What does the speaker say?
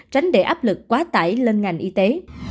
tránh để áp lực quá tải lên ngành y tế